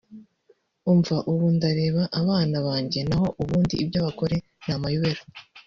umva ubu ndareba abana banjye naho ubundi ibyabagore namayobera